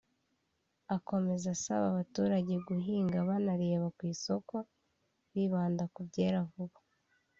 Akomeza asaba abaturage guhinga banareba ku isoko bibanda ku byera vuba